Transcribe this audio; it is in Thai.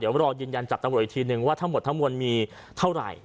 เดี๋ยวรอยืนยันจากตำรวจอีกทีนึงว่าทั้งหมดทั้งมวลมีเท่าไหร่